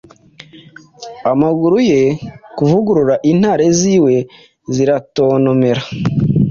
amaguru ye kuvugurura Intare ziwe ziratontomera